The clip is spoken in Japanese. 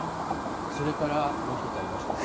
それからもう一つありました